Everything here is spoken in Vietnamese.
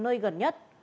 nơi gần nhất